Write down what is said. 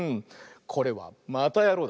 これは「またやろう！」